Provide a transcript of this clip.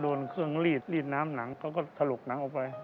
โดนเครื่องรีดรีดน้ำหนังเขาก็ถลกหนังออกไป